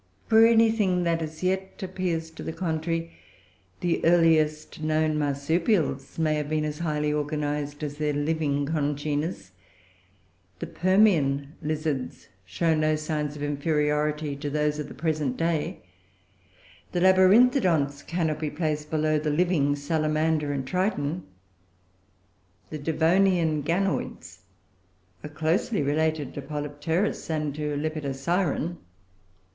For anything that, as yet, appears to the contrary, the earliest known Marsupials may have been as highly organised as their living congeners; the Permian lizards show no signs of inferiority to those of the present day; the Labyrinthodonts cannot be placed below the living Salamander and Triton; the Devonian Ganoids are closely related to Polypterus and to Lepidosiren.